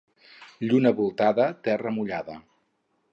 Lluna voltada, terra mullada.